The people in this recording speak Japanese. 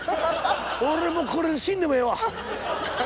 俺もうこれで死んでもええわ」。